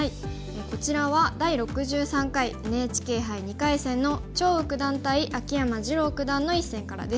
こちらは第６３回ＮＨＫ杯２回戦の張栩九段対秋山次郎九段の一戦からです。